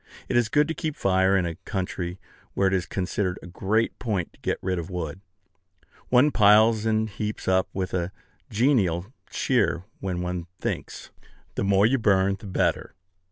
It is good to keep fire in a country where it is considered a great point to get rid of wood. One piles and heaps up with a genial cheer when one thinks, "The more you burn, the better."